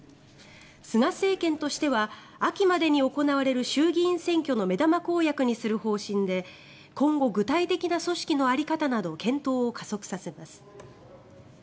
菅政権としては秋までに行われる衆議院選挙の目玉公約にする方針で今後、具体的な組織の在り方など検討を加速させます。